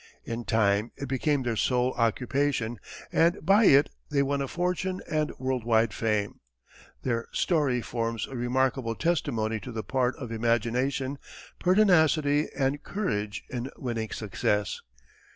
In time it became their sole occupation and by it they won a fortune and world wide fame. Their story forms a remarkable testimony to the part of imagination, pertinacity, and courage in winning success.